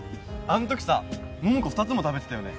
あんときさ桃子２つも食べてたよね